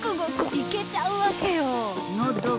いけちゃうわけよ